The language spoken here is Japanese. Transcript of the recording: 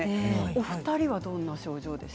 お二人はどんな症状でした？